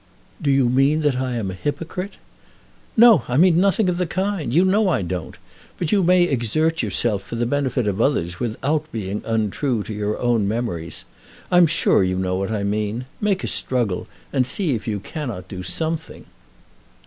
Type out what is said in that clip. "Do you mean that I am a hypocrite?" "No; I mean nothing of the kind. You know I don't. But you may exert yourself for the benefit of others without being untrue to your own memories. I am sure you know what I mean. Make a struggle and see if you cannot do something."